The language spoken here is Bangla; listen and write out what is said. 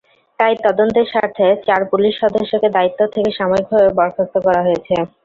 তাই তদন্তের স্বার্থে চার পুলিশ সদস্যকে দায়িত্ব থেকে সাময়িকভাবে বরখাস্ত করা হয়েছে।